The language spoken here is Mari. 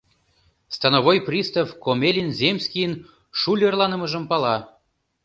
Становой пристав Комелин земскийын шулерланымыжым пала.